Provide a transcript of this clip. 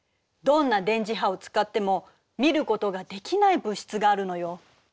どんな電磁波を使っても見ることができない物質があるのよ。